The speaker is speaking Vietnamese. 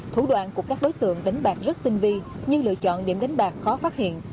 thủ đoạn của các đối tượng đánh bạc rất tinh vi như lựa chọn điểm đánh bạc khó phát hiện